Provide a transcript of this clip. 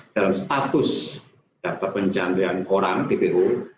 dalam status daftar pencantian orang ppu